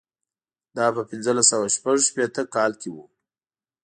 دا په پنځلس سوه شپږ شپېته کال کې و.